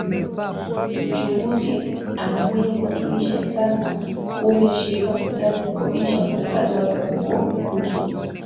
Uchunguzi amekuja kuwakilisha kisasa nguvu ya shirika Mahitaji ya kukodisha wafanyakazi wapya wamekuwa kukuzwa